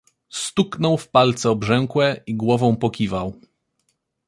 "Stuknął w palce obrzękłe i głową pokiwał."